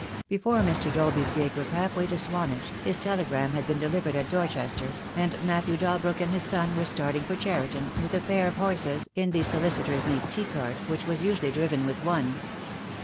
Before Mr. Dolby's gig was half way to Swanage, his telegram had been delivered at Dorchester, and Matthew Dalbrook and his son were starting for Cheriton with a pair of horses in the solicitor's neat T cart, which was usually driven with one.